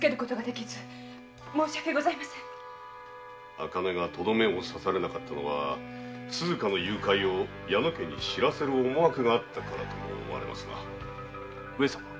茜がトドメを刺されなかったのは鈴加の誘拐を矢野家に報せる思惑があったからと思われますが。